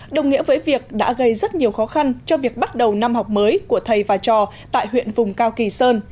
đồng nghĩa với việc đã gây rất nhiều khó khăn cho việc bắt đầu năm học mới của thầy và trò tại huyện vùng cao kỳ sơn